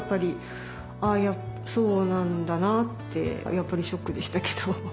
やっぱりショックでしたけど。